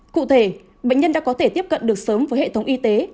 cụ thể bệnh nhân đã có thể tiếp cận được sớm với hệ thống y tế